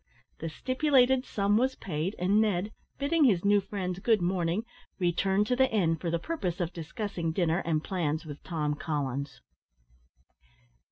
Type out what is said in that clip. The stipulated sum was paid; and Ned, bidding his new friends good morning, returned to the inn, for the purpose of discussing dinner and plans with Tom Collins.